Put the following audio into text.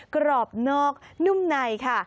กรอบนอกนุ่มในค่ะ